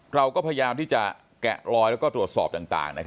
เราก็พยายามที่จะแกะลอยแล้วก็ตรวจสอบต่าง